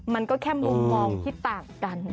มันก็แค่มุมมองที่ต่างกัน